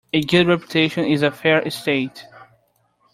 A good reputation is a fair estate.